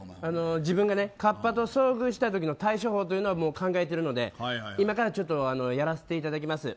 自分が河童と遭遇した時の対処法を考えているので今からやらせていただきます。